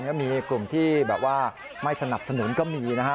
ก็มีกลุ่มที่แบบว่าไม่สนับสนุนก็มีนะฮะ